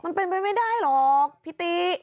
มันเป็นไปไม่ได้หรอกพิติ